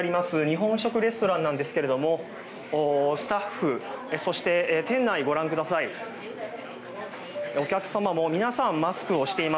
日本食レストランなんですがスタッフ、そして店内をご覧ください。